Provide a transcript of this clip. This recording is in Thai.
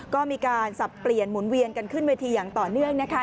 ก็มีการสับเปลี่ยนหมุนเวียนกันขึ้นเวทีอย่างต่อเนื่องนะคะ